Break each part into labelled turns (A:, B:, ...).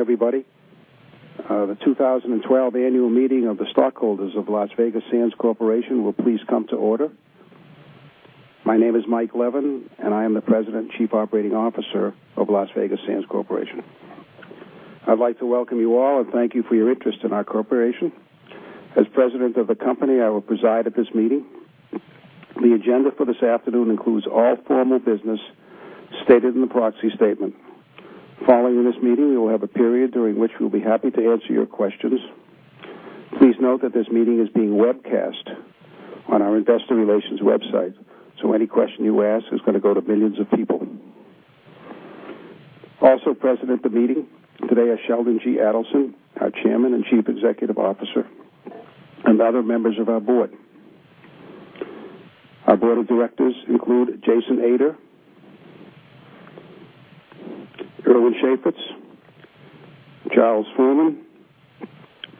A: Everybody, the 2012 annual meeting of the stockholders of Las Vegas Sands Corporation will please come to order. My name is Mike Leven, and I am the President Chief Operating Officer of Las Vegas Sands Corporation. I'd like to welcome you all and thank you for your interest in our corporation. As president of the company, I will preside at this meeting. The agenda for this afternoon includes all formal business stated in the proxy statement. Following this meeting, we will have a period during which we'll be happy to answer your questions. Please note that this meeting is being webcast on our investor relations website, so any question you ask is going to go to millions of people. Also present at the meeting today are Sheldon G. Adelson, our Chairman and Chief Executive Officer, and other members of our board. Our board of directors include Jason Ader, Irwin Chafetz, Charles Forman,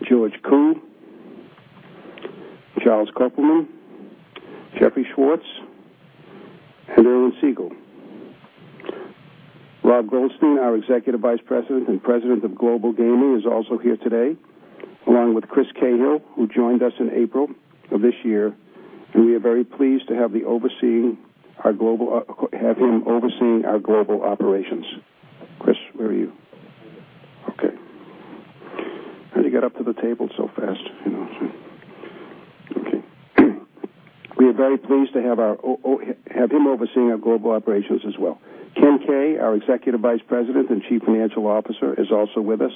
A: George Koo, Charles Koppelman, Jeffrey Schwartz, and Alan Siegel. Rob Goldstein, our Executive Vice President and President of Global Gaming, is also here today, along with Chris Cahill, who joined us in April of this year, and we are very pleased to have him overseeing our global operations. Chris, where are you? Okay. How'd he get up to the table so fast? Okay. We are very pleased to have him overseeing our global operations as well. Ken Kay, our Executive Vice President and Chief Financial Officer, is also with us,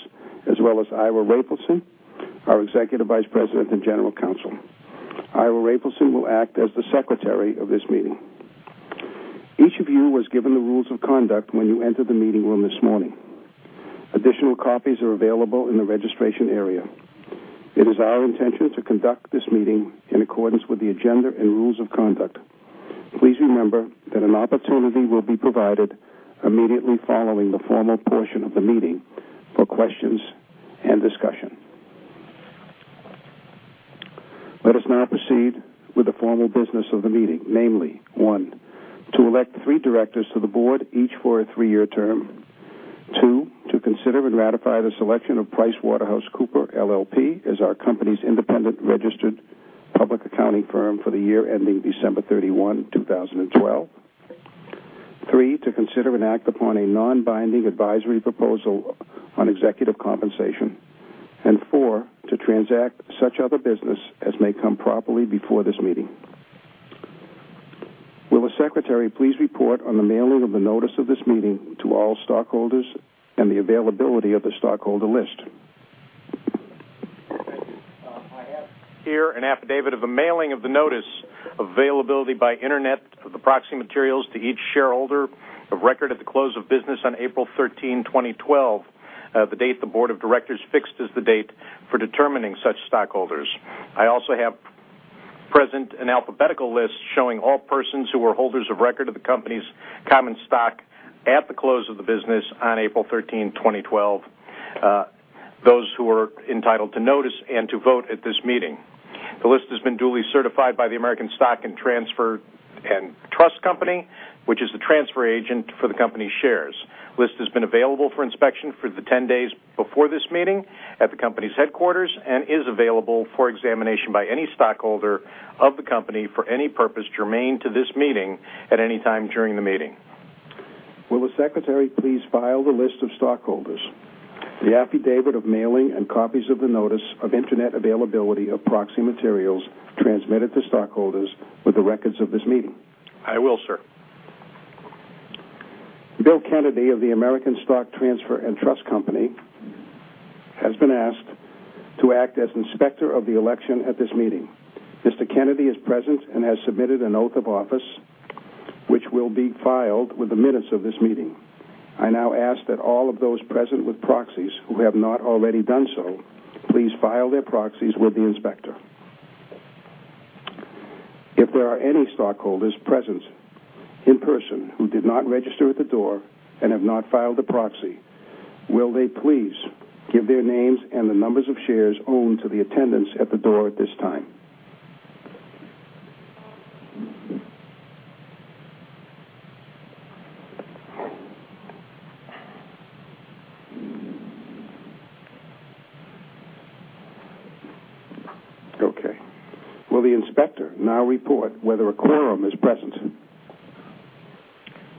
A: as well as Ira Raphaelson, our Executive Vice President and General Counsel. Ira Raphaelson will act as the secretary of this meeting. Each of you was given the rules of conduct when you entered the meeting room this morning. Additional copies are available in the registration area. It is our intention to conduct this meeting in accordance with the agenda and rules of conduct. Please remember that an opportunity will be provided immediately following the formal portion of the meeting for questions and discussion. Let us now proceed with the formal business of the meeting, namely, one, to elect three directors to the board, each for a three-year term; two, to consider and ratify the selection of PricewaterhouseCoopers LLP as our company's independent registered public accounting firm for the year ending December 31, 2012; three, to consider and act upon a non-binding advisory proposal on executive compensation; and four, to transact such other business as may come properly before this meeting. Will the secretary please report on the mailing of the notice of this meeting to all stockholders and the availability of the stockholder list?
B: Thank you. I have here an affidavit of a mailing of the notice of availability by internet of the proxy materials to each shareholder of record at the close of business on April 13, 2012, the date the board of directors fixed as the date for determining such stockholders. I also have present an alphabetical list showing all persons who were holders of record of the company's common stock at the close of the business on April 13, 2012, those who are entitled to notice and to vote at this meeting. The list has been duly certified by the American Stock & Trust Company, which is the transfer agent for the company's shares. The list has been available for inspection for the 10 days before this meeting at the company's headquarters and is available for examination by any stockholder of the company for any purpose germane to this meeting at any time during the meeting.
A: Will the secretary please file the list of stockholders, the affidavit of mailing, and copies of the notice of internet availability of proxy materials transmitted to stockholders with the records of this meeting?
B: I will, sir.
A: Bill Kennedy of the American Stock Transfer & Trust Company has been asked to act as inspector of the election at this meeting. Mr. Kennedy is present and has submitted an oath of office, which will be filed with the minutes of this meeting. I now ask that all of those present with proxies, who have not already done so, please file their proxies with the inspector. If there are any stockholders present in person who did not register at the door and have not filed a proxy, will they please give their names and the numbers of shares owned to the attendants at the door at this time? Okay. Will the inspector now report whether a quorum is present?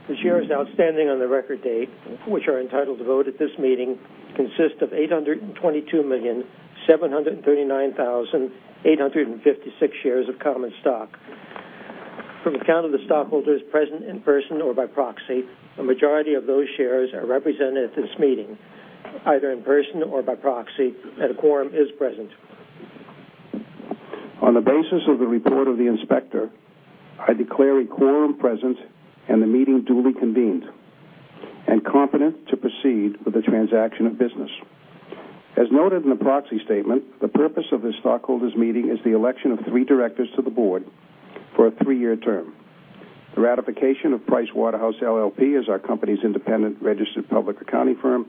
C: The shares outstanding on the record date, which are entitled to vote at this meeting, consist of 822,739,856 shares of common stock. From the count of the stockholders present in person or by proxy, a majority of those shares are represented at this meeting, either in person or by proxy, and a quorum is present.
A: On the basis of the report of the inspector, I declare a quorum present and the meeting duly convened and competent to proceed with the transaction of business. As noted in the proxy statement, the purpose of this stockholders meeting is the election of three directors to the board for a three-year term, the ratification of Pricewaterhouse LLP as our company's independent registered public accounting firm,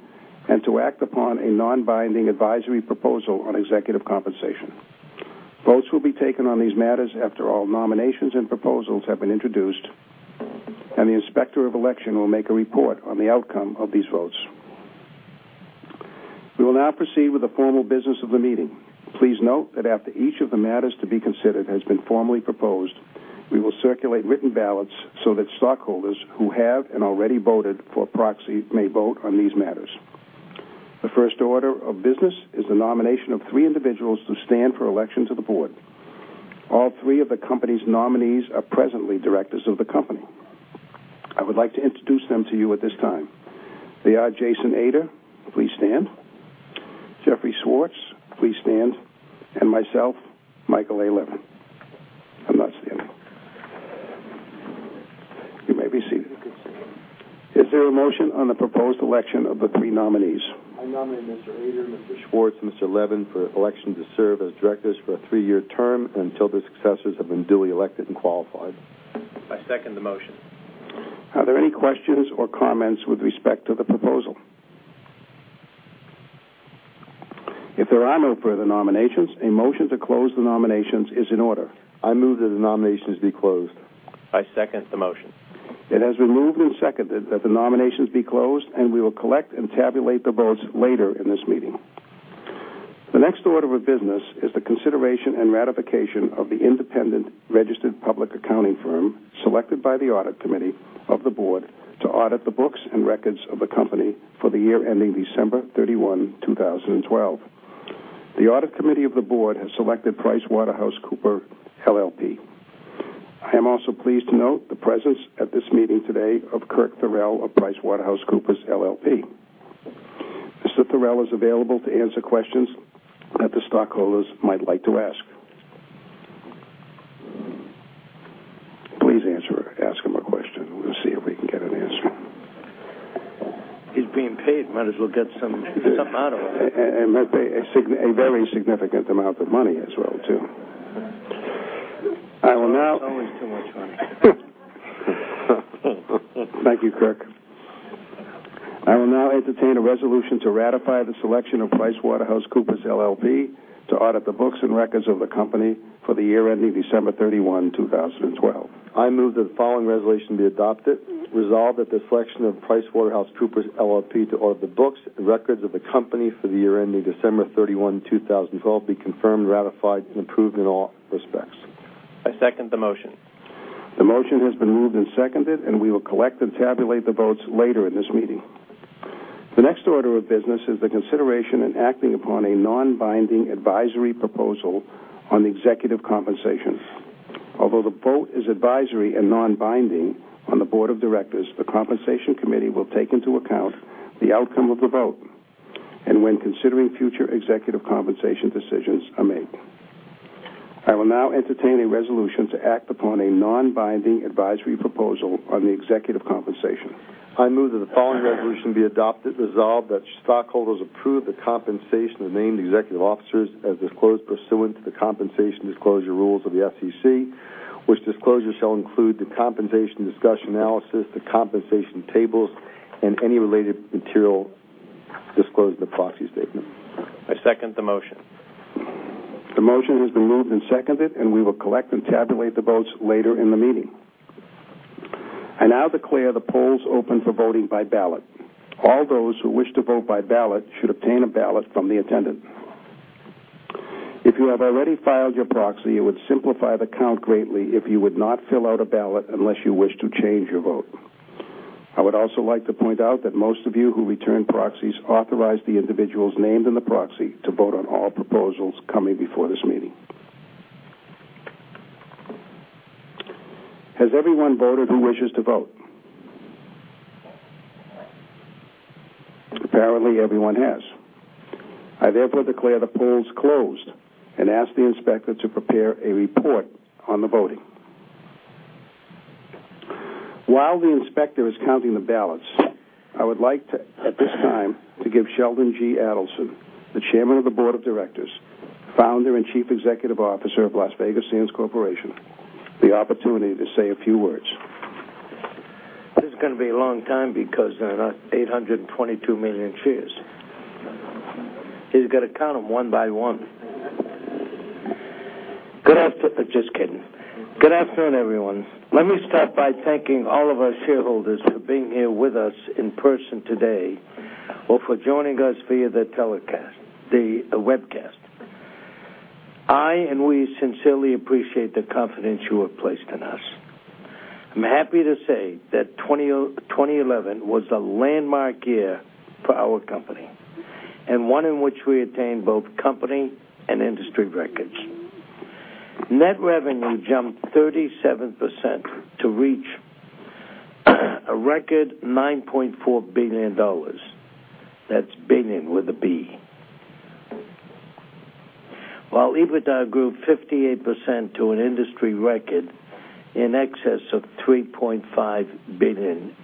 A: and to act upon a non-binding advisory proposal on executive compensation. Votes will be taken on these matters after all nominations and proposals have been introduced, and the Inspector of Election will make a report on the outcome of these votes. We will now proceed with the formal business of the meeting. Please note that after each of the matters to be considered has been formally proposed, we will circulate written ballots so that stockholders who have already voted for a proxy may vote on these matters. The first order of business is the nomination of three individuals to stand for election to the board. All three of the company's nominees are presently directors of the company. I would like to introduce them to you at this time. They are Jason Ader, please stand. Jeffrey Schwartz, please stand, and myself, Michael A. Levin. I'm not standing. You may be seated. Is there a motion on the proposed election of the three nominees?
D: I nominate Mr. Ader, Mr. Schwartz, and Mr. Levin for election to serve as directors for a three-year term until their successors have been duly elected and qualified.
B: I second the motion.
A: Are there any questions or comments with respect to the proposal? If there are no further nominations, a motion to close the nominations is in order.
D: I move that the nominations be closed.
B: I second the motion.
A: It has been moved and seconded that the nominations be closed, and we will collect and tabulate the votes later in this meeting. The next order of business is the consideration and ratification of the independent registered public accounting firm selected by the audit committee of the board to audit the books and records of the company for the year ending December 31, 2012. The audit committee of the board has selected PricewaterhouseCoopers LLP. I am also pleased to note the presence at this meeting today of Kirk Thorell of PricewaterhouseCoopers LLP. Mr. Thorell is available to answer questions that the stockholders might like to ask. Please ask him a question. We'll see if we can get an answer.
E: He's being paid, might as well get something out of it.
A: Might pay a very significant amount of money as well, too.
E: It's always too much money.
A: Thank you, Kirk. I will now entertain a resolution to ratify the selection of PricewaterhouseCoopers LLP to audit the books and records of the company for the year ending December 31, 2012.
D: I move that the following resolution be adopted. Resolved at the selection of PricewaterhouseCoopers LLP to audit the books and records of the company for the year ending December 31, 2012, be confirmed, ratified, and approved in all respects.
B: I second the motion.
A: The motion has been moved and seconded, and we will collect and tabulate the votes later in this meeting. The next order of business is the consideration and acting upon a non-binding advisory proposal on executive compensation. Although the vote is advisory and non-binding on the Board of Directors, the Compensation Committee will take into account the outcome of the vote, and when considering future executive compensation decisions are made. I will now entertain a resolution to act upon a non-binding advisory proposal on the executive compensation.
D: I move that the following resolution be adopted. Resolved that stockholders approve the compensation of named executive officers as disclosed pursuant to the compensation disclosure rules of the SEC, which disclosure shall include the compensation discussion analysis, the compensation tables, and any related material disclosed in the proxy statement.
B: I second the motion.
A: The motion has been moved and seconded. We will collect and tabulate the votes later in the meeting. I now declare the polls open for voting by ballot. All those who wish to vote by ballot should obtain a ballot from the attendant. If you have already filed your proxy, it would simplify the count greatly if you would not fill out a ballot unless you wish to change your vote. I would also like to point out that most of you who returned proxies authorized the individuals named in the proxy to vote on all proposals coming before this meeting. Has everyone voted who wishes to vote? Apparently, everyone has. I therefore declare the polls closed and ask the inspector to prepare a report on the voting. While the inspector is counting the ballots, I would like to, at this time, give Sheldon G. Adelson, the Chairman of the Board of Directors, Founder and Chief Executive Officer of Las Vegas Sands Corp., the opportunity to say a few words.
E: This is going to be a long time because there are 822 million shares. He's got to count them one by one. Just kidding. Good afternoon, everyone. Let me start by thanking all of our shareholders for being here with us in person today or for joining us via the webcast. I, and we, sincerely appreciate the confidence you have placed in us. I'm happy to say that 2011 was a landmark year for our company, and one in which we attained both company and industry records. Net revenue jumped 37% to reach a record $9.4 billion. That's billion with a B. While EBITDA grew 58% to an industry record in excess of $3.5 billion.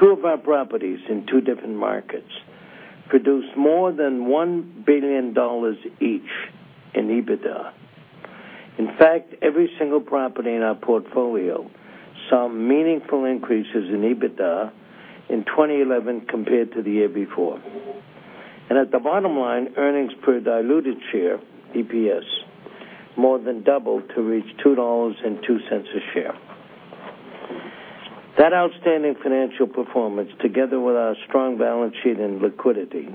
E: Two of our properties in two different markets produced more than $1 billion each in EBITDA. In fact, every single property in our portfolio saw meaningful increases in EBITDA in 2011 compared to the year before. At the bottom line, earnings per diluted share, EPS, more than doubled to reach $2.02 a share. That outstanding financial performance, together with our strong balance sheet and liquidity,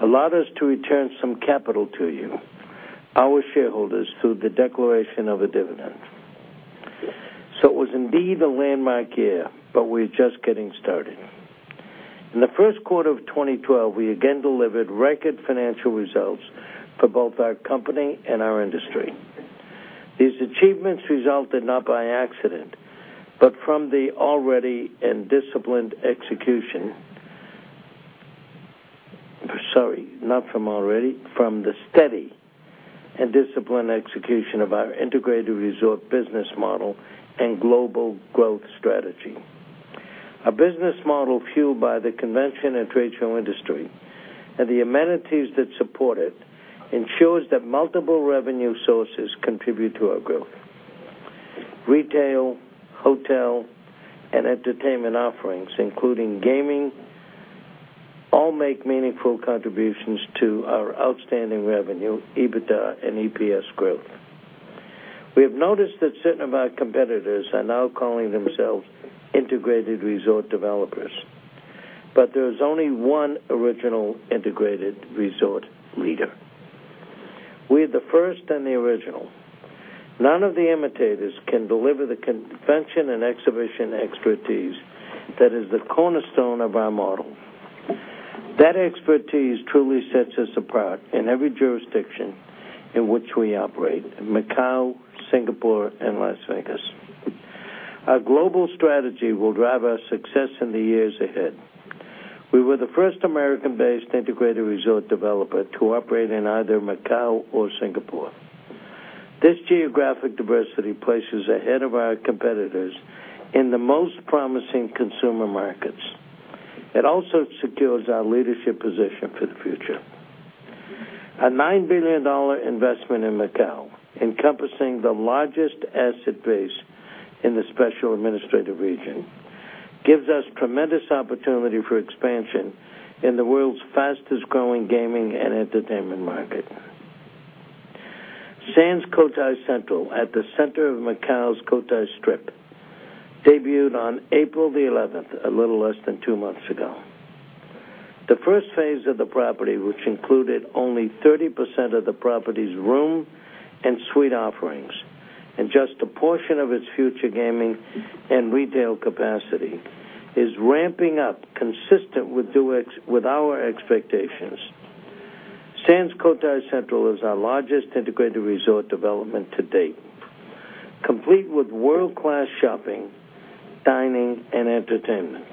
E: allowed us to return some capital to you, our shareholders, through the declaration of a dividend. It was indeed a landmark year, but we're just getting started. In the first quarter of 2012, we again delivered record financial results for both our company and our industry. These achievements resulted not by accident, but from the steady and disciplined execution of our integrated resort business model and global growth strategy. A business model fueled by the convention and trade show industry, and the amenities that support it ensures that multiple revenue sources contribute to our growth. Retail, hotel, and entertainment offerings, including gaming, all make meaningful contributions to our outstanding revenue, EBITDA, and EPS growth. We have noticed that certain of our competitors are now calling themselves integrated resort developers, but there's only one original integrated resort leader. We're the first and the original. None of the imitators can deliver the convention and exhibition expertise that is the cornerstone of our model. That expertise truly sets us apart in every jurisdiction in which we operate, in Macau, Singapore, and Las Vegas. Our global strategy will drive our success in the years ahead. We were the first American-based integrated resort developer to operate in either Macau or Singapore. This geographic diversity places ahead of our competitors in the most promising consumer markets. It also secures our leadership position for the future. A $9 billion investment in Macau, encompassing the largest asset base in the special administrative region, gives us tremendous opportunity for expansion in the world's fastest-growing gaming and entertainment market. Sands Cotai Central, at the center of Macau's Cotai Strip, debuted on April the 11th, a little less than two months ago. The first phase of the property, which included only 30% of the property's room and suite offerings, and just a portion of its future gaming and retail capacity, is ramping up consistent with our expectations. Sands Cotai Central is our largest integrated resort development to date, complete with world-class shopping, dining, and entertainment,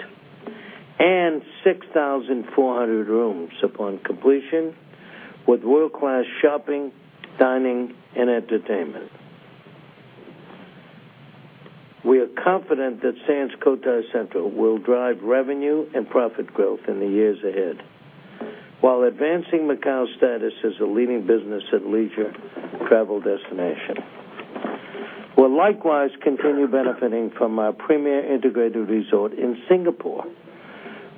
E: and 6,400 rooms upon completion with world-class shopping, dining, and entertainment. We are confident that Sands Cotai Central will drive revenue and profit growth in the years ahead while advancing Macau's status as a leading business and leisure travel destination. We'll likewise continue benefiting from our premier integrated resort in Singapore,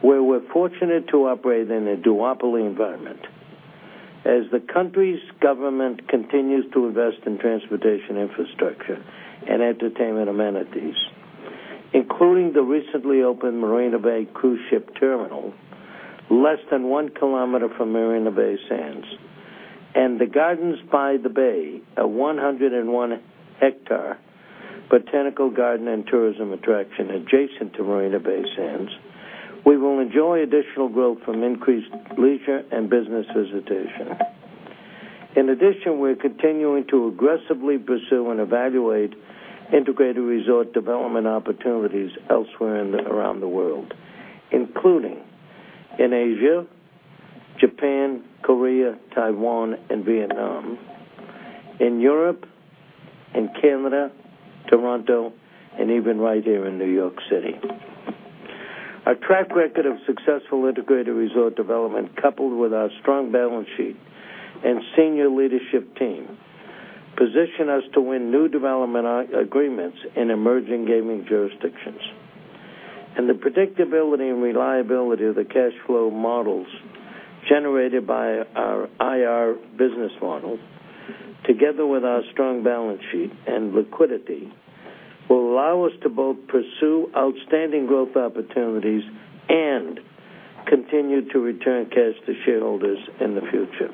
E: where we're fortunate to operate in a duopoly environment. As the country's government continues to invest in transportation infrastructure and entertainment amenities, including the recently opened Marina Bay Cruise Ship Terminal, less than one kilometer from Marina Bay Sands, and the Gardens by the Bay, a 101-hectare botanical garden and tourism attraction adjacent to Marina Bay Sands, we will enjoy additional growth from increased leisure and business visitation. In addition, we're continuing to aggressively pursue and evaluate integrated resort development opportunities elsewhere around the world, including in Asia, Japan, Korea, Taiwan, and Vietnam, in Europe, in Canada, Toronto, and even right here in New York City. Our track record of successful integrated resort development, coupled with our strong balance sheet and senior leadership team, position us to win new development agreements in emerging gaming jurisdictions. The predictability and reliability of the cash flow models generated by our IR business model, together with our strong balance sheet and liquidity, will allow us to both pursue outstanding growth opportunities and continue to return cash to shareholders in the future.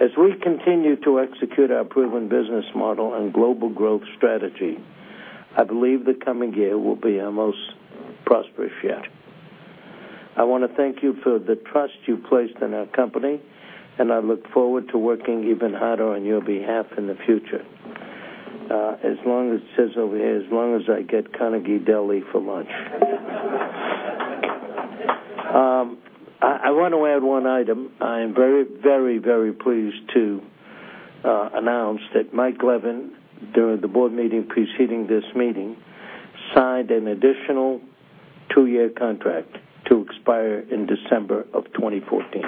E: As we continue to execute our proven business model and global growth strategy, I believe the coming year will be our most prosperous year. I want to thank you for the trust you placed in our company, and I look forward to working even harder on your behalf in the future. As long as it says over here, as long as I get Carnegie Deli for lunch. I want to add one item. I am very pleased to announce that Michael Leven, during the board meeting preceding this meeting, signed an additional Two-year contract to expire in December of 2014.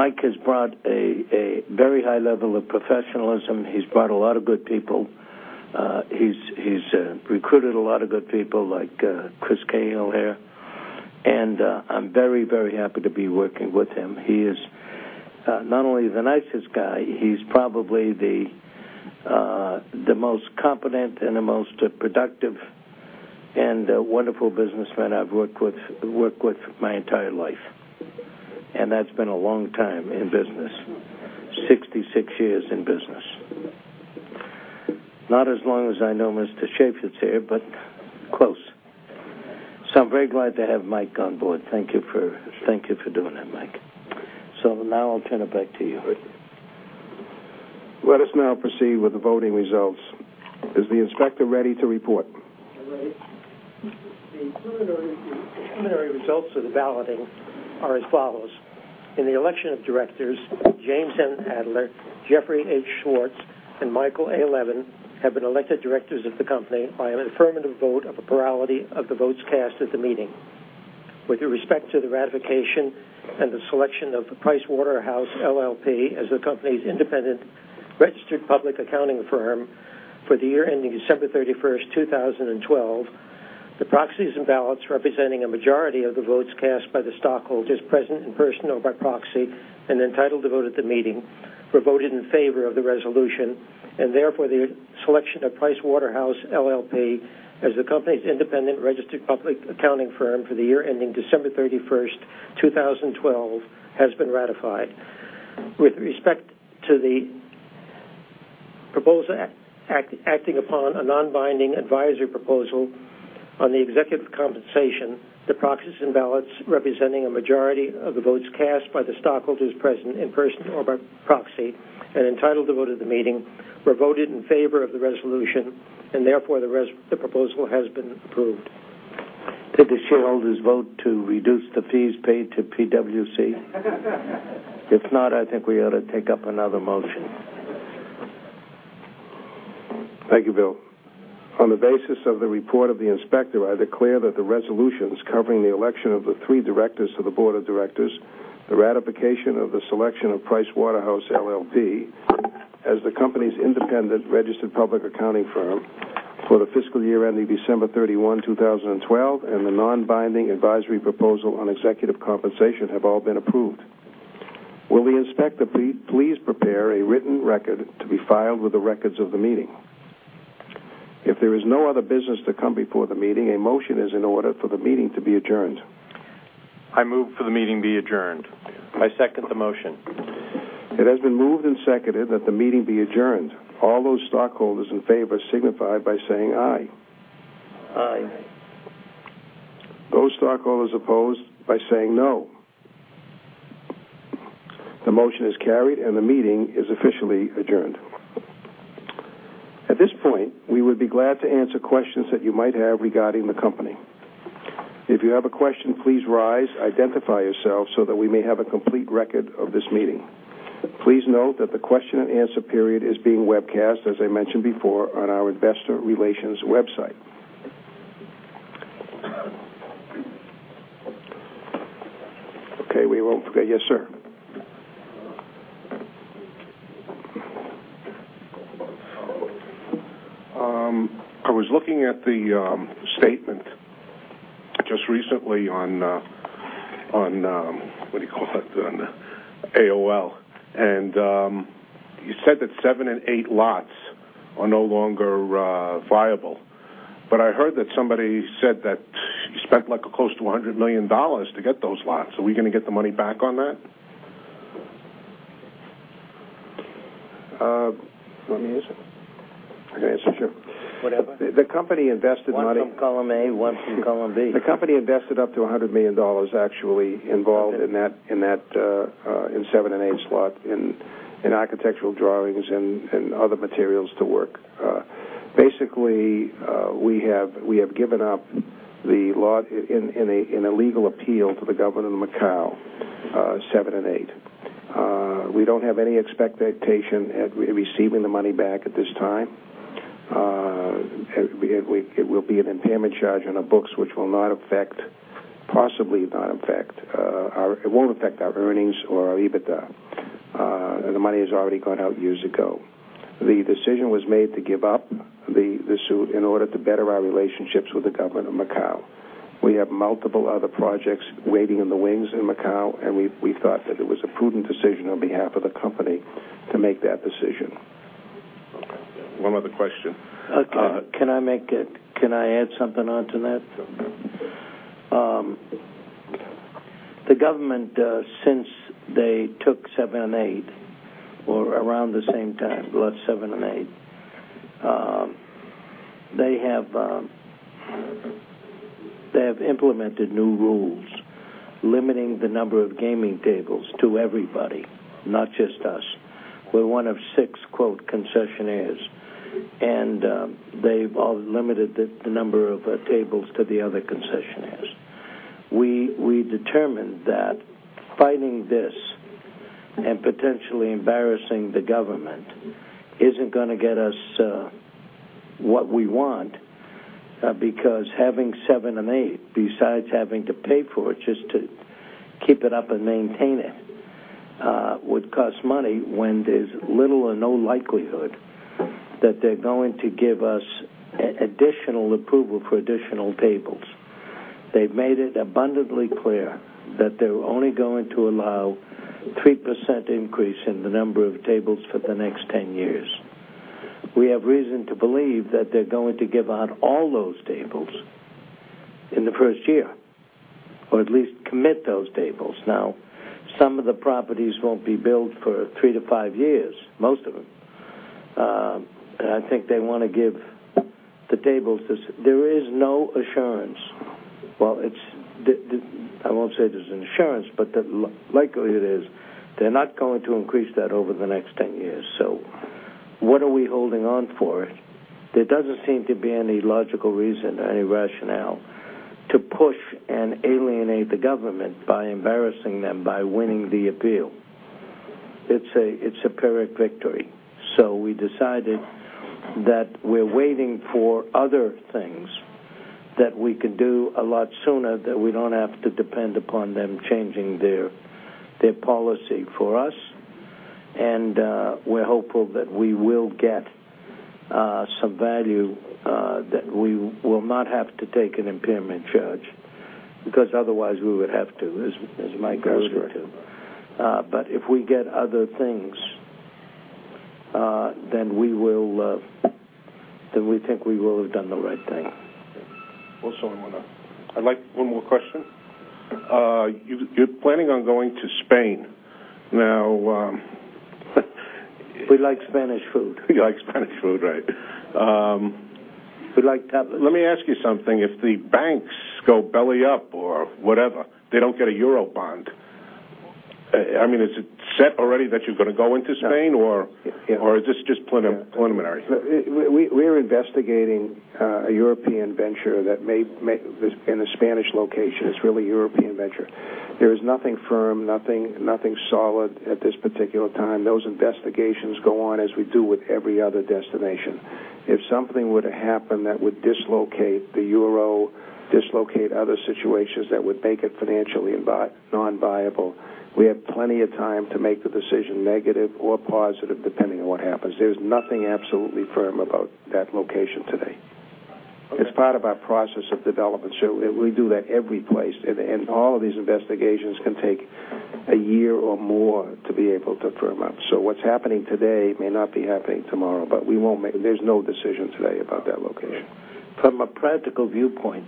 E: Mike has brought a very high level of professionalism. He's brought a lot of good people. He's recruited a lot of good people like Chris Cahill here, and I'm very happy to be working with him. He is not only the nicest guy, he's probably the most competent and the most productive and wonderful businessman I've worked with my entire life, and that's been a long time in business. 66 years in business. Not as long as I know Irwin Chafetz here, but close. I'm very glad to have Mike on board. Thank you for doing that, Mike. Now I'll turn it back to you.
A: Let us now proceed with the voting results. Is the inspector ready to report?
C: I'm ready. The preliminary results of the balloting are as follows. In the election of directors, Jason N. Ader, Jeffrey H. Schwartz, and Michael A. Leven have been elected directors of the company by an affirmative vote of a plurality of the votes cast at the meeting. With respect to the ratification and the selection of Pricewaterhouse LLP as the company's independent registered public accounting firm for the year ending December 31, 2012, the proxies and ballots representing a majority of the votes cast by the stockholders present in person or by proxy and entitled to vote at the meeting were voted in favor of the resolution. Therefore, the selection of Pricewaterhouse LLP as the company's independent registered public accounting firm for the year ending December 31, 2012, has been ratified. With respect to the acting upon a non-binding advisory proposal on the executive compensation, the proxies and ballots representing a majority of the votes cast by the stockholders present in person or by proxy and entitled to vote at the meeting were voted in favor of the resolution. Therefore, the proposal has been approved.
E: Did the shareholders vote to reduce the fees paid to PwC? If not, I think we ought to take up another motion.
A: Thank you, Bill. On the basis of the report of the inspector, I declare that the resolutions covering the election of the three directors to the board of directors, the ratification of the selection of Pricewaterhouse LLP as the company's independent registered public accounting firm for the fiscal year ending December 31, 2012, the non-binding advisory proposal on executive compensation have all been approved. Will the inspector please prepare a written record to be filed with the records of the meeting? If there is no other business to come before the meeting, a motion is in order for the meeting to be adjourned.
F: I move for the meeting be adjourned.
B: I second the motion.
A: It has been moved and seconded that the meeting be adjourned. All those stockholders in favor signify by saying aye.
F: Aye.
B: Aye.
E: Aye.
A: Those stockholders opposed by saying no. The motion is carried, and the meeting is officially adjourned. At this point, we would be glad to answer questions that you might have regarding the company. If you have a question, please rise, identify yourself so that we may have a complete record of this meeting. Please note that the question and answer period is being webcast, as I mentioned before, on our investor relations website. Okay, we won't forget. Yes, sir.
F: I was looking at the statement just recently on, what do you call it, on AOL, and you said that seven and eight lots are no longer viable. But I heard that somebody said that you spent close to $100 million to get those lots. Are we going to get the money back on that?
E: Let me answer.
A: I can answer. Sure.
E: Whatever.
A: The company invested.
E: One from column A, one from column B.
A: The company invested up to $100 million actually involved in seven and eight slots in architectural drawings and other materials to work. Basically, we have given up in a legal appeal to the Government of Macau, seven and eight. We don't have any expectation at receiving the money back at this time. It will be an impairment charge on the books, which will possibly not affect our earnings or our EBITDA. The money has already gone out years ago. The decision was made to give up the suit in order to better our relationships with the Government of Macau. We have multiple other projects waiting in the wings in Macau, and we thought that it was a prudent decision on behalf of the company to make that decision.
F: Okay. One other question.
E: Can I add something on to that?
A: Sure.
E: The government, since they took seven and eight, or around the same time, lost seven and eight. They have implemented new rules limiting the number of gaming tables to everybody, not just us. We're one of 6 "concessionaires," and they've all limited the number of tables to the other concessionaires. We determined that fighting this and potentially embarrassing the government isn't going to get us what we want, because having seven and eight, besides having to pay for it just to keep it up and maintain it, would cost money when there's little or no likelihood that they're going to give us additional approval for additional tables. They've made it abundantly clear that they're only going to allow 3% increase in the number of tables for the next 10 years. We have reason to believe that they're going to give out all those tables in the first year, or at least commit those tables. Some of the properties won't be built for 3 to 5 years, most of them. I think they want to give the tables. There is no assurance. Well, I won't say there's an assurance, but the likelihood is they're not going to increase that over the next 10 years. What are we holding on for? There doesn't seem to be any logical reason or any rationale to push and alienate the government by embarrassing them by winning the appeal. It's a Pyrrhic victory. We decided that we're waiting for other things that we could do a lot sooner, that we don't have to depend upon them changing their policy for us. We're hopeful that we will get some value, that we will not have to take an impairment charge, because otherwise we would have to. Correct. If we get other things, then we think we will have done the right thing. I'd like 1 more question. You're planning on going to Spain now. We like Spanish food. You like Spanish food, right. We like tapas. Let me ask you something. If the banks go belly up or whatever, they don't get a Euro bond. Is it set already that you're going to go into Spain, or is this just preliminary? We're investigating a European venture in a Spanish location. It's really a European venture. There is nothing firm, nothing solid at this particular time. Those investigations go on as we do with every other destination. If something were to happen that would dislocate the Euro, dislocate other situations that would make it financially non-viable, we have plenty of time to make the decision, negative or positive, depending on what happens. There's nothing absolutely firm about that location today. Okay. It's part of our process of development. We do that every place, and all of these investigations can take 1 year or more to be able to firm up. What's happening today may not be happening tomorrow, but there's no decision today about that location. From a practical viewpoint,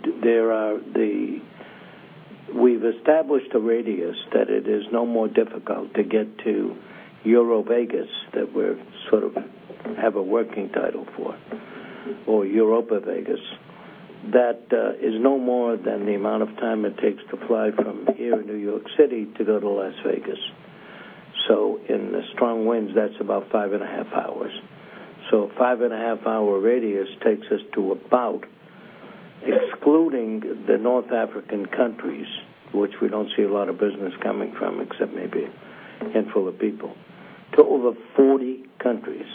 E: we've established a radius that it is no more difficult to get to EuroVegas, that we sort of have a working title for, or Europa Vegas. That is no more than the amount of time it takes to fly from here in New York City to go to Las Vegas. In the strong winds, that's about five and a half hours. A five-and-a-half-hour radius takes us to about, excluding the North African countries, which we don't see a lot of business coming from, except maybe a handful of people, to over 40 countries.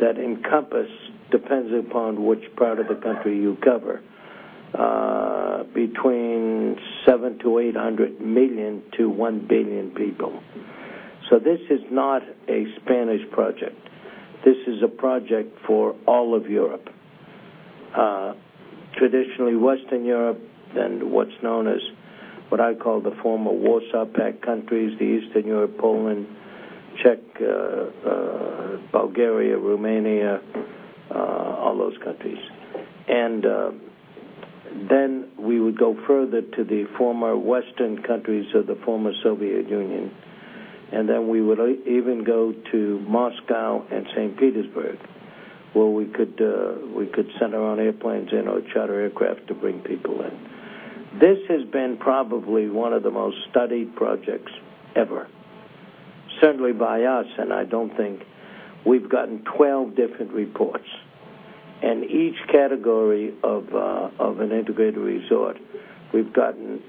E: That encompass, depends upon which part of the country you cover, between 700 million to 800 million to 1 billion people. This is not a Spanish project. This is a project for all of Europe. Traditionally, Western Europe and what's known as what I call the former Warsaw Pact countries, Eastern Europe, Poland, Czech, Bulgaria, Romania, all those countries. We would go further to the former Western countries of the former Soviet Union, and then we would even go to Moscow and St. Petersburg, where we could send our own airplanes in or charter aircraft to bring people in. This has been probably one of the most studied projects ever, certainly by us. I don't think we've gotten 12 different reports. In each category of an integrated resort, we've gotten,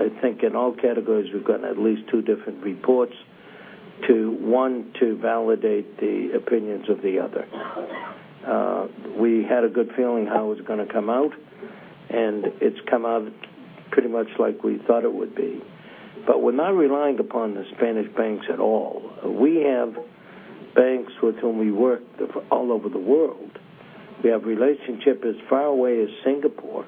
E: I think in all categories, we've gotten at least two different reports, one to validate the opinions of the other. We had a good feeling how it was going to come out. It's come out pretty much like we thought it would be. We're not relying upon the Spanish banks at all. We have banks with whom we work all over the world. We have relationships as far away as Singapore,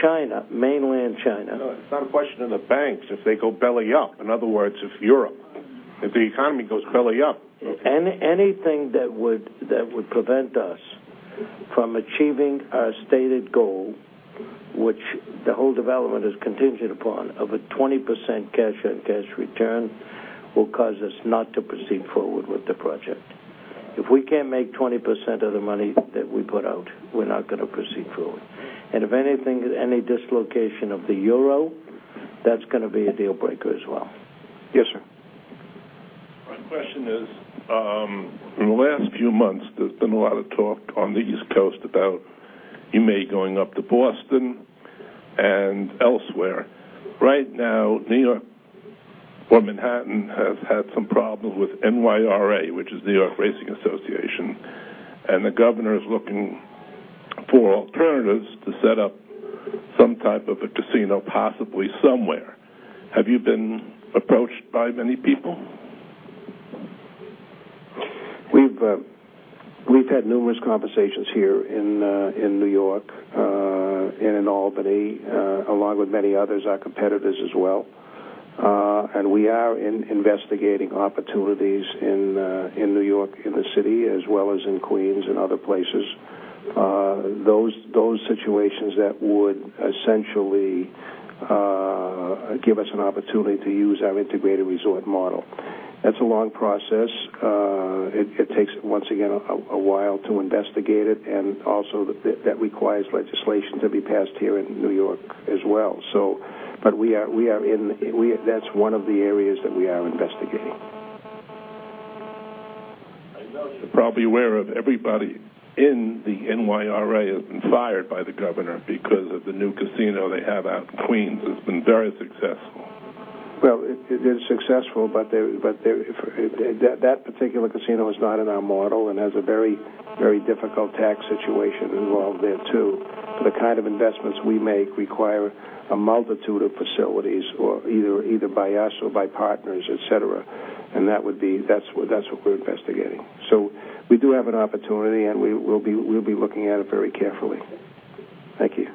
E: China, mainland China. No, it's not a question of the banks. If they go belly up, in other words, if Europe, if the economy goes belly up. Anything that would prevent us from achieving our stated goal, which the whole development is contingent upon, of a 20% cash on cash return, will cause us not to proceed forward with the project. If we can't make 20% of the money that we put out, we're not going to proceed forward. If anything, any dislocation of the euro, that's going to be a deal breaker as well. Yes, sir.
G: The question is, in the last few months, there's been a lot of talk on the East Coast about you may going up to Boston and elsewhere. Right now, New York or Manhattan has had some problems with NYRA, which is New York Racing Association. The governor is looking for alternatives to set up some type of a casino, possibly somewhere. Have you been approached by many people?
A: We've had numerous conversations here in New York and in Albany, along with many others, our competitors as well. We are investigating opportunities in New York, in the city, as well as in Queens and other places. Those situations that would essentially give us an opportunity to use our integrated resort model. That's a long process. It takes, once again, a while to investigate it, and also that requires legislation to be passed here in New York as well. That's one of the areas that we are investigating.
G: You're probably aware of everybody in the NYRA has been fired by the governor because of the new casino they have out in Queens. It's been very successful.
A: Well, it is successful, that particular casino is not in our model and has a very, very difficult tax situation involved there, too. The kind of investments we make require a multitude of facilities, either by us or by partners, et cetera. That's what we're investigating. We do have an opportunity, and we'll be looking at it very carefully. Thank you.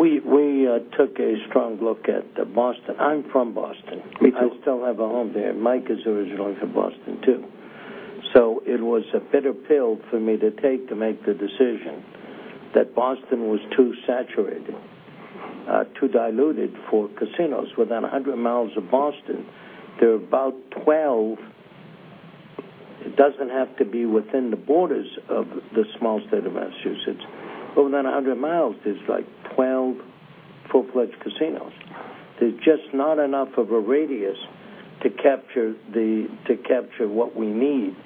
E: We took a strong look at Boston. I'm from Boston.
A: Me too.
E: I still have a home there. Mike is originally from Boston, too. It was a bitter pill for me to take to make the decision that Boston was too saturated, too diluted for casinos. Within 100 miles of Boston, there are about 12. It doesn't have to be within the borders of the small state of Massachusetts. Within 100 miles, there's 12 full-fledged casinos. There's just not enough of a radius to capture what we need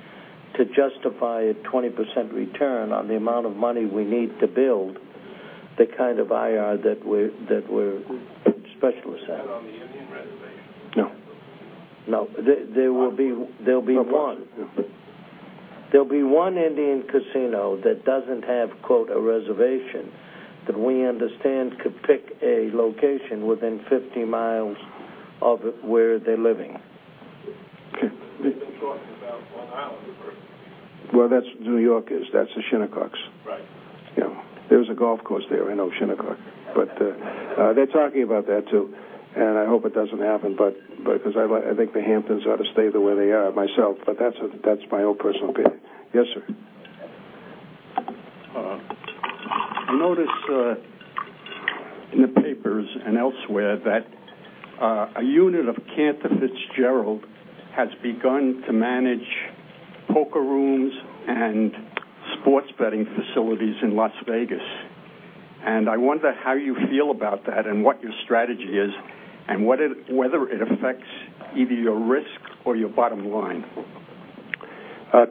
E: to justify a 20% return on the amount of money we need to build the kind of IR that we're specialists at.
G: On the Indian reservation.
A: No.
E: No. There'll be one. There'll be one Indian casino that doesn't have "a reservation" that we understand could pick a location within 50 miles of where they're living.
G: Okay.
A: They've been talking about Long Island. Well, that's New York is. That's the Shinnecock.
G: Right.
A: Yeah. There's a golf course there. I know Shinnecock, they're talking about that, too. I hope it doesn't happen because I think the Hamptons ought to stay the way they are myself, that's my own personal opinion. Yes, sir.
H: I noticed in the papers and elsewhere that a unit of Cantor Fitzgerald has begun to manage poker rooms and sports betting facilities in Las Vegas. I wonder how you feel about that and what your strategy is and whether it affects either your risk or your bottom line.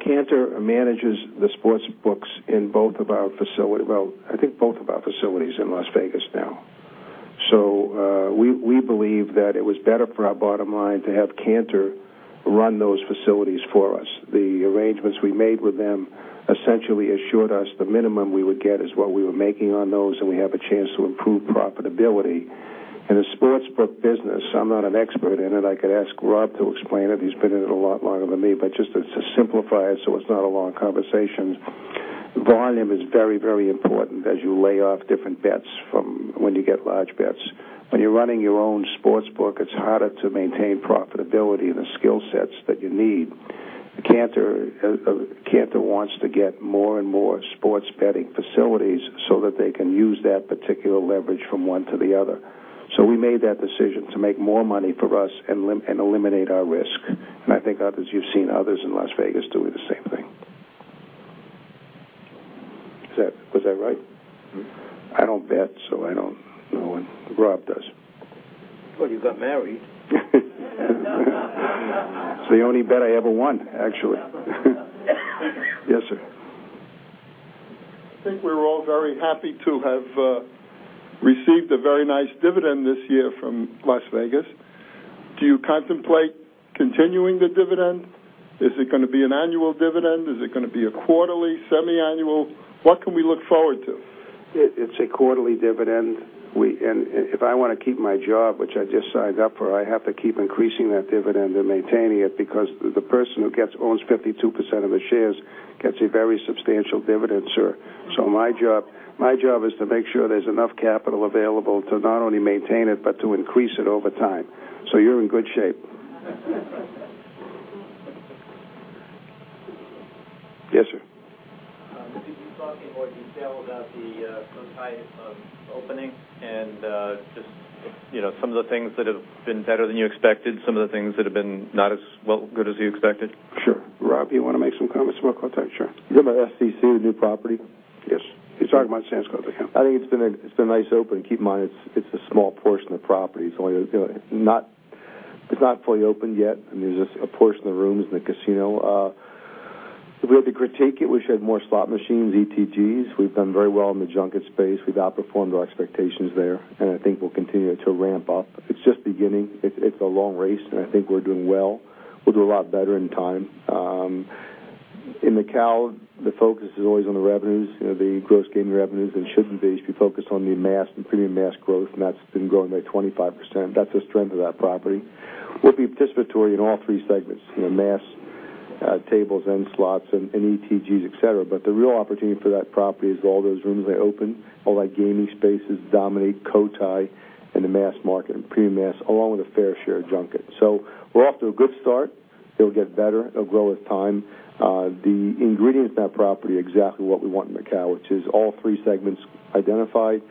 A: Cantor manages the sports books in both of our facilities in Las Vegas now. We believe that it was better for our bottom line to have Cantor run those facilities for us. The arrangements we made with them essentially assured us the minimum we would get is what we were making on those, we have a chance to improve profitability. In the sports book business, I'm not an expert in it. I could ask Rob to explain it. He's been in it a lot longer than me, just to simplify it's not a long conversation. Volume is very, very important as you lay off different bets from when you get large bets. When you're running your own sports book, it's harder to maintain profitability and the skill sets that you need. Cantor wants to get more and more sports betting facilities so that they can use that particular leverage from one to the other. We made that decision to make more money for us and eliminate our risk. I think you've seen others in Las Vegas doing the same thing. Was that right? I don't bet, so I don't know when Rob does.
E: Thought you got married.
A: It's the only bet I ever won, actually. Yes, sir.
G: I think we're all very happy to have received a very nice dividend this year from Las Vegas. Do you contemplate continuing the dividend? Is it going to be an annual dividend? Is it going to be a quarterly, semi-annual? What can we look forward to?
A: It's a quarterly dividend. If I want to keep my job, which I just signed up for, I have to keep increasing that dividend and maintaining it because the person who owns 52% of his shares gets a very substantial dividend, sir. My job is to make sure there's enough capital available to not only maintain it but to increase it over time. You're in good shape. Yes, sir.
I: Could you talk in more detail about the Cotai opening and just some of the things that have been better than you expected, some of the things that have been not as good as you expected?
A: Sure. Rob, you want to make some comments about Cotai? Sure.
G: You have an SEC, the new property?
A: Yes, sir. He's talking about Sands Cotai Central.
D: I think it's been a nice open. Keep in mind, it's a small portion of the property. It's not fully open yet. There's just a portion of the rooms in the casino. If we had to critique it, we wish we had more slot machines, ETGs. We've done very well in the junket space. We've outperformed our expectations there. I think we'll continue to ramp up. It's just beginning. It's a long race. I think we're doing well. We'll do a lot better in time. In Macau, the focus is always on the revenues, the gross gaming revenues. It shouldn't be. If you focus on the mass and premium mass growth, that's been growing by 25%, that's a strength of that property. We'll be participatory in all three segments, mass tables and slots and ETGs, et cetera. The real opportunity for that property is all those rooms that are open, all that gaming spaces dominate Cotai in the mass market and premium mass, along with a fair share of junket. We're off to a good start. It'll get better. It'll grow with time. The ingredients of that property are exactly what we want in Macau, which is all three segments identified.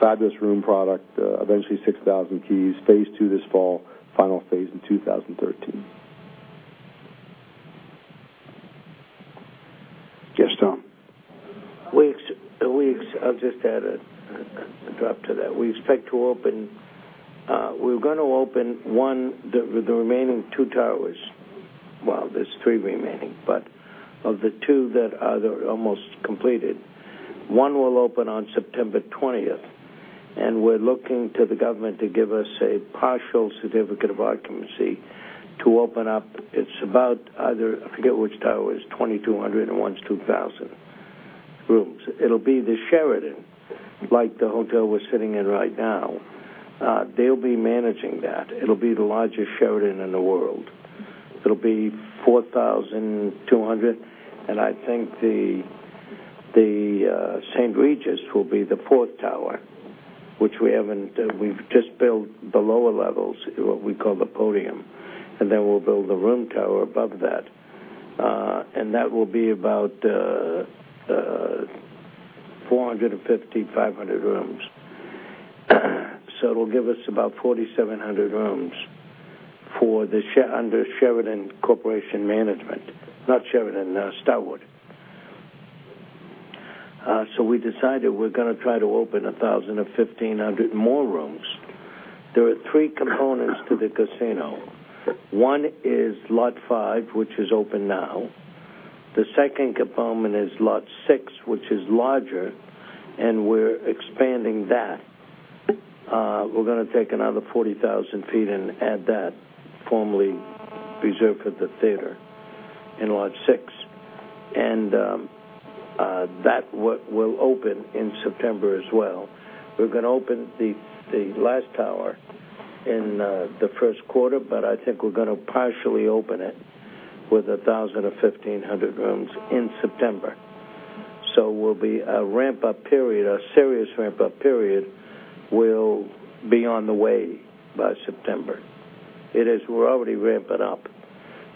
D: Fabulous room product, eventually 6,000 keys. Phase 2 this fall, final phase in 2013.
A: Yes, Tom.
E: We're going to open the remaining two towers. There's three remaining, but of the two that are almost completed, one will open on September 20th, and we're looking to the government to give us a partial certificate of occupancy to open up. It's about either, I forget which tower is 2,200 and one's 2,000 rooms. It'll be the Sheraton, like the hotel we're sitting in right now. They'll be managing that. It'll be the largest Sheraton in the world. It'll be 4,200, and I think the St. Regis will be the fourth tower, which we've just built the lower levels, what we call the podium, and then we'll build the room tower above that. That will be about 450, 500 rooms. It'll give us about 4,700 rooms under Sheraton Corporation management. Not Sheraton, Starwood. We decided we're going to try to open 1,000 or 1,500 more rooms. There are three components to the casino. One is Lot 5, which is open now. The second component is Lot 6, which is larger, and we're expanding that. We're going to take another 40,000 feet and add that, formerly reserved for the theater in Lot 6. That will open in September as well. We're going to open the last tower in the first quarter, but I think we're going to partially open it with 1,000 or 1,500 rooms in September. It will be a ramp-up period. A serious ramp-up period will be on the way by September. We're already ramping up,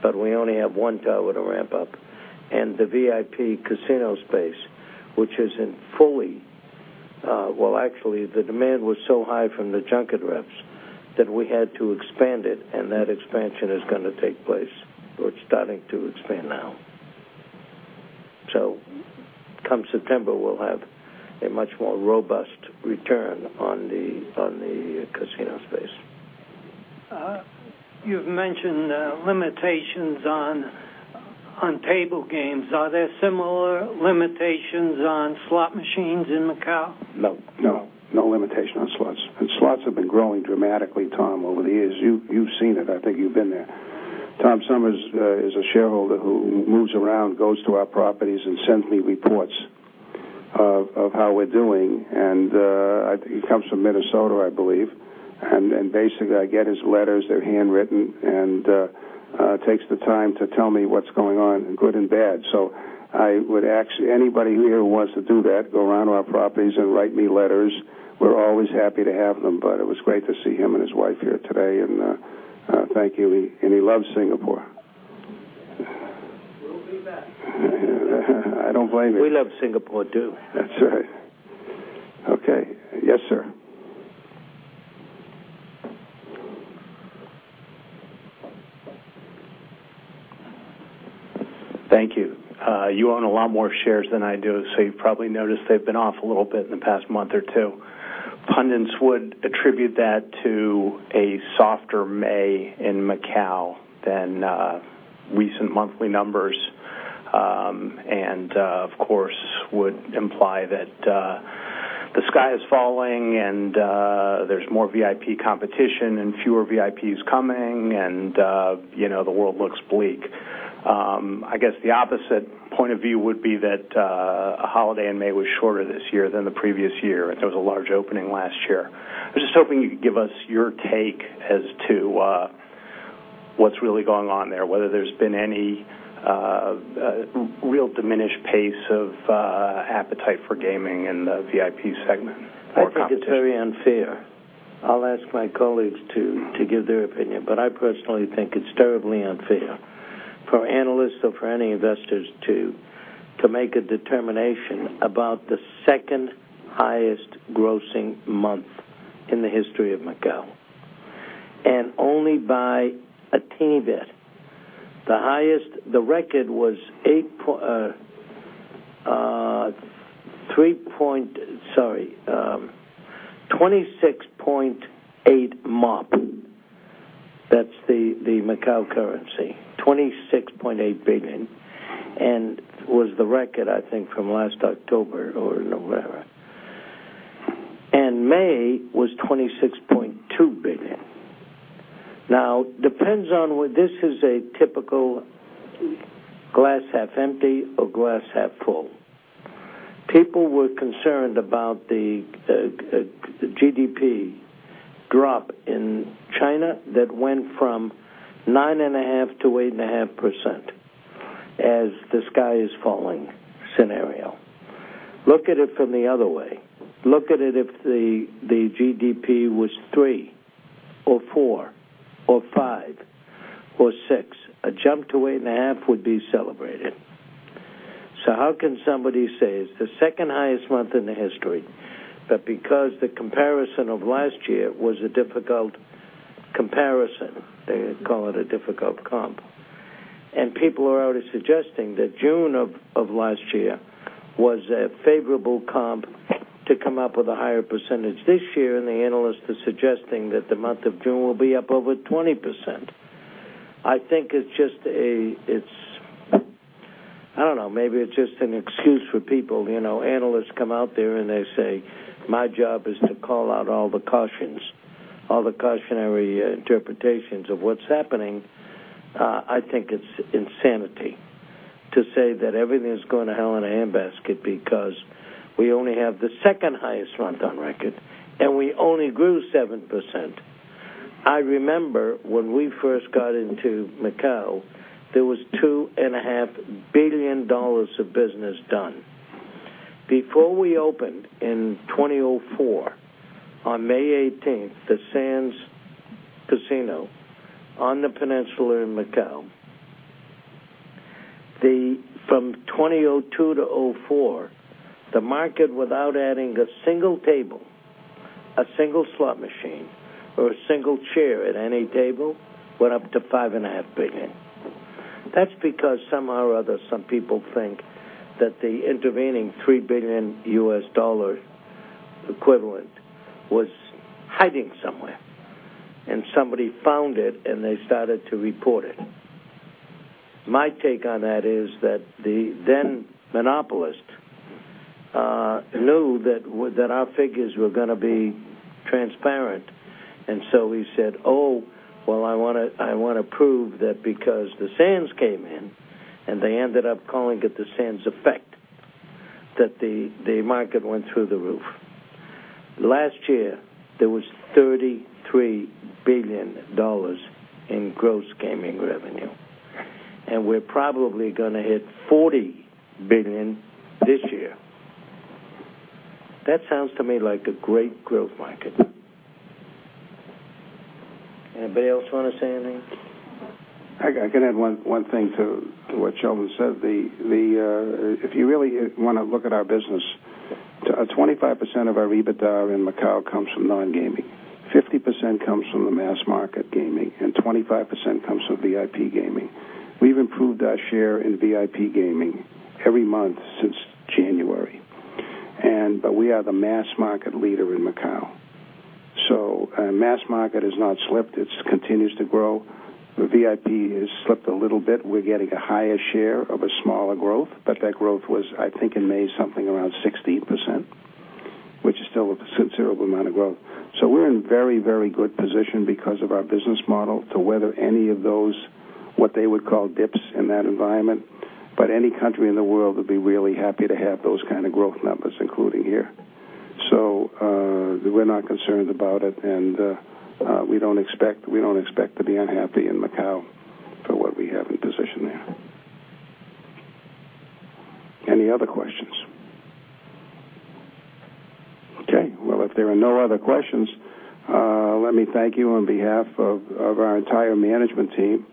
E: but we only have one tower to ramp up. The VIP casino space. Well, actually, the demand was so high from the junket reps that we had to expand it, and that expansion is going to take place. We're starting to expand now. Come September, we'll have a much more robust return on the casino space.
J: You've mentioned limitations on table games. Are there similar limitations on slot machines in Macau?
A: No.
D: No.
A: No limitation on slots. Slots have been growing dramatically, Tom, over the years. You've seen it. I think you've been there. Tom Summers is a shareholder who moves around, goes to our properties, and sends me reports of how we're doing. He comes from Minnesota, I believe. Basically, I get his letters, they're handwritten, and takes the time to tell me what's going on, good and bad. I would ask anybody here who wants to do that, go around to our properties and write me letters. We're always happy to have them. It was great to see him and his wife here today, and thank you. He loves Singapore.
D: We'll be back.
A: I don't blame him.
E: We love Singapore, too.
A: That's right. Okay. Yes, sir.
K: Thank you. You own a lot more shares than I do, so you've probably noticed they've been off a little bit in the past month or two. Pundits would attribute that to a softer May in Macau than recent monthly numbers, and, of course, would imply that the sky is falling and there's more VIP competition and fewer VIPs coming and the world looks bleak. I guess the opposite point of view would be that a holiday in May was shorter this year than the previous year, and there was a large opening last year. I was just hoping you could give us your take as to what's really going on there, whether there's been any real diminished pace of appetite for gaming in the VIP segment or competition.
E: I think it's very unfair. I'll ask my colleagues to give their opinion, but I personally think it's terribly unfair for analysts or for any investors to make a determination about the second highest grossing month in the history of Macau. Only by a tiny bit. The highest, the record was MOP 26.8. That's the Macau currency. MOP 26.8 billion was the record, I think, from last October or November. May was MOP 26.2 billion. Depends on whether this is a typical glass half empty or glass half full. People were concerned about the GDP drop in China that went from 9.5% to 8.5% as the sky is falling scenario. Look at it from the other way. Look at it if the GDP was three or four or five or six. A jump to 8.5% would be celebrated. How can somebody say it's the second highest month in the history, because the comparison of last year was a difficult comparison, they call it a difficult comp. People are out suggesting that June of last year was a favorable comp to come up with a higher percentage this year, the analysts are suggesting that the month of June will be up over 20%. I think it's just, I don't know, maybe it's just an excuse for people. Analysts come out there and they say, "My job is to call out all the cautions, all the cautionary interpretations of what's happening." I think it's insanity to say that everything's going to hell in a handbasket because we only have the second highest month on record, and we only grew 7%. I remember when we first got into Macau, there was MOP 2.5 billion of business done. Before we opened in 2004, on May 18th, the Sands Macao on the Peninsula in Macau. From 2002 to 2004, the market, without adding a single table, a single slot machine, or a single chair at any table, went up to $5.5 billion. That's because somehow or other, some people think that the intervening $3 billion US dollar equivalent was hiding somewhere, and somebody found it, and they started to report it. My take on that is that the then monopolist knew that our figures were going to be transparent. He said, "Oh, well, I want to prove that because the Sands came in," and they ended up calling it the Sands effect, that the market went through the roof. Last year, there was $33 billion in gross gaming revenue, and we're probably going to hit $40 billion this year. That sounds to me like a great growth market. Anybody else want to say anything?
A: I can add one thing to what Sheldon said. If you really want to look at our business, 25% of our EBITDA in Macau comes from non-gaming, 50% comes from the mass market gaming, and 25% comes from VIP gaming. We've improved our share in VIP gaming every month since January. We are the mass market leader in Macau. Mass market has not slipped. It continues to grow. The VIP has slipped a little bit. We're getting a higher share of a smaller growth, but that growth was, I think, in May, something around 16%, which is still a considerable amount of growth. We're in very good position because of our business model to weather any of those, what they would call dips in that environment. Any country in the world would be really happy to have those kind of growth numbers, including here. We're not concerned about it, and we don't expect to be unhappy in Macau for what we have in position there. Any other questions? Well, if there are no other questions, let me thank you on behalf of our entire management team,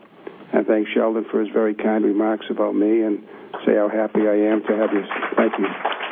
A: and thank Sheldon for his very kind remarks about me and say how happy I am to have you. Thank you.